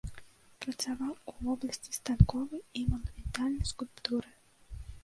Працаваў у вобласці станковай і манументальнай скульптуры.